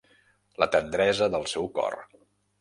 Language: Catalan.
La tendresa del seu cor.